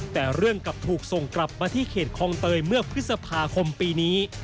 แต่เรื่องกลับถูกส่งกลับมาที่เขตคลองเตยเมื่อพฤษภาคมปีนี้